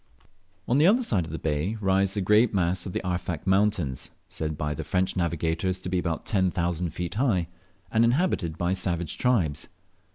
On the other side of the bay rise the great mass of the Arfak mountains, said by the French navigators to be about ten thousand feet high, and inhabited by savage tribes.